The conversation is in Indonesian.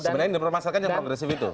sebenarnya ini dipermasakan yang progresif itu